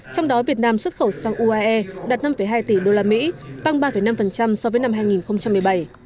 trong đó việt nam xuất khẩu sang uae đạt năm hai tỷ usd tăng ba năm so với năm hai nghìn một mươi bảy